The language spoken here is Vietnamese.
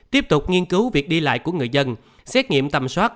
tiếp tục nghiên cứu việc đi lại của người dân xét nghiệm tầm soát